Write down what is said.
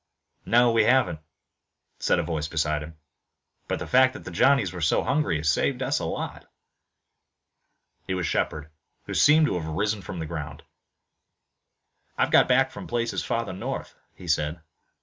"No, we haven't," said a voice beside him, "but the fact that the Johnnies were so hungry has saved us a lot." It was Shepard, who seemed to have risen from the ground. "I've got back from places farther north," he said.